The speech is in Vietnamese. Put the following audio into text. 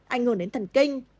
anh hồn đến thần kinh